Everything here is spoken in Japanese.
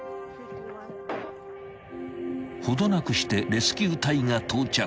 ［程なくしてレスキュー隊が到着］